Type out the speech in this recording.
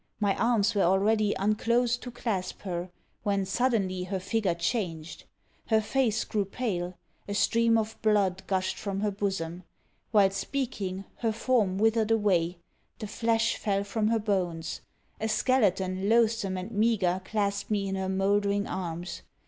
My arms were already unclosed to clasp her, when suddenly her figure changed! Her face grew pale a stream of blood gushed from her bosom. While speaking, her form withered away; the flesh fell from her bones; a skeleton loathsome and meagre clasped me in her mouldering arms.